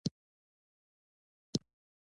حکمت د کورنۍ د غړو په منځ کې فرق کوي.